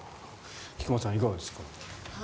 菊間さん、いかがですか。